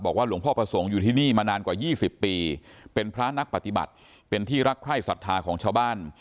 หลวงพ่อประสงค์อยู่ที่นี่มานานกว่า๒๐ปีเป็นพระนักปฏิบัติเป็นที่รักใคร่ศรัทธาของชาวบ้าน